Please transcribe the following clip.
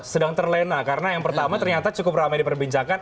sedang terlena karena yang pertama ternyata cukup ramai diperbincangkan